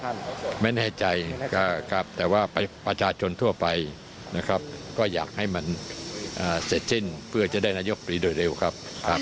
อันนี้โดนประท้วงบ่อยมีพอใจไหมครับ